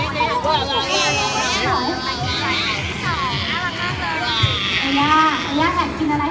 โต๊ะจิ้มถึงดีชิ้นจิ้มแล้ว